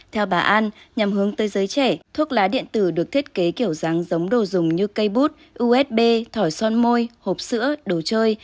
theo bà an nhằm hướng tới giới trẻ thuốc lá điện tử được thiết kế kiểu dáng giống đồ dùng như cây bút usb thỏi son môi hộp sữa đồ chơi